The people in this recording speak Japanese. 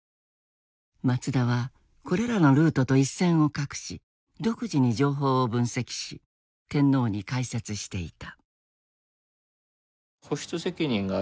松田はこれらのルートと一線を画し独自に情報を分析し天皇に解説していた。